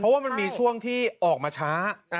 เพราะว่ามันมีช่วงที่ออกมาช้า